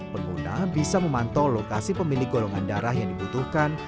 pengguna bisa memantau lokasi pemilik golongan darah yang dibutuhkan